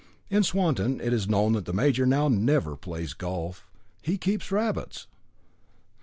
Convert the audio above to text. In Swanton it is known that the major now never plays golf; he keeps rabbits.